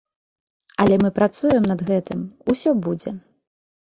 Але мы працуем над гэтым, усё будзе.